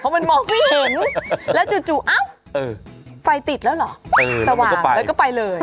เพราะมันมองไม่เห็นแล้วจู่จู่เอ้าเออไฟติดแล้วเหรอเออสว่างแล้วก็ไปเลย